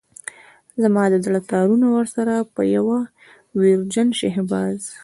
زما د زړه تارونه ورسره په يوه ويرجن شهباز.